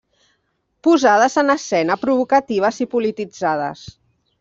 Posades en escena, provocatives i polititzades.